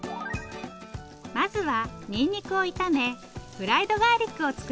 まずはにんにくを炒めフライドガーリックを作ります。